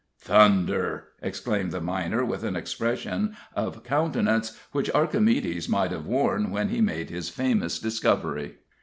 "Thunder!" exclaimed the miner, with an expression of countenance which Archimedes might have worn when he made his famous discovery.